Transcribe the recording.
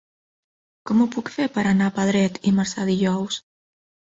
Com ho puc fer per anar a Pedret i Marzà dijous?